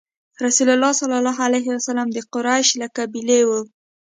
رسول الله ﷺ د قریش له قبیلې وو.